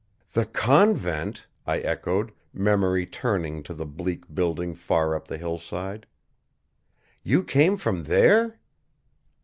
"The convent?" I echoed, memory turning to the bleak building far up the hillside. "You came from there?"